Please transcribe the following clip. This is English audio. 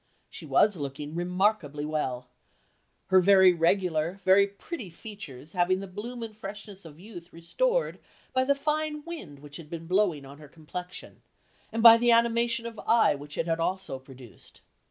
She was looking remarkably well; her very regular, very pretty features having the bloom and freshness of youth restored by the fine wind which had been blowing on her complexion, and by the animation of eye which it had also produced.